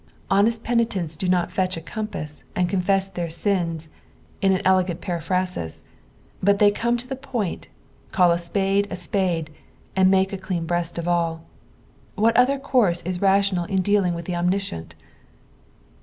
Honest penitents do not fetch a compass and confess their sins in an elegant periphrasis, but they come to the point, call a spade a spade, and make a clean breast of all. What other course 13 rational in dealing with the Omniscient